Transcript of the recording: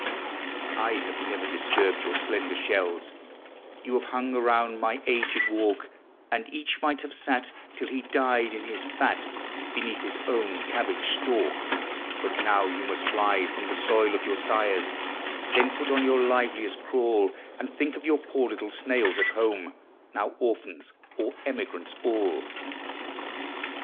I have never disturbed your slender Bhells; You have hung round my agfcd walk; And each might have sat, till he died In bis f:»t, Beneath his own cabbage stalk: V — 23 354 POEMS OF NATURE. But now vou must fly from the soil of jour sires; Then put on your liveliest crawl, And think of your poor little snails at home, Now orphans or emigrants all.